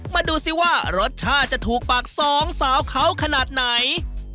มาดูซิว่ารสชาติจะถูกปากสองสาวเขาขนาดไหน